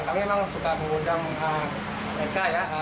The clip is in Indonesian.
kami memang suka mengundang mereka ya